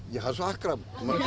ya harus akrab